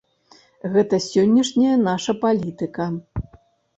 Гэта сённяшняя наша палітыка.